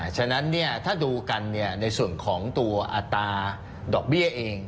ฉะนั้นถ้าดูกันในส่วนของตัวอัตราดอกเบี้ยเอง